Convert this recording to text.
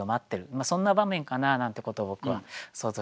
そんな場面かななんてことを僕は想像しましたね。